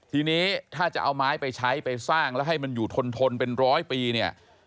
ทีนี้ถ้าจะเอาไม้ไปใช้ไปสร้างแล้วให้มันอยู่ทนเป็นร้อยปีเนี่ย